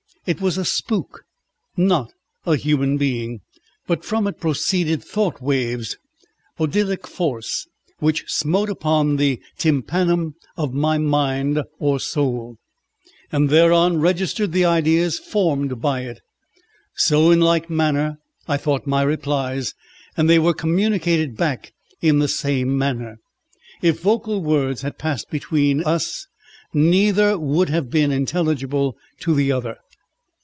It was a spook, not a human being. But from it proceeded thought waves, odylic force which smote on the tympanum of my mind or soul, and thereon registered the ideas formed by it. So in like manner I thought my replies, and they were communicated back in the same manner. If vocal words had passed between us neither would have been intelligible to the other.